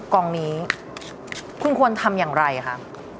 กองนี้คุณควรทำอย่างไรคะ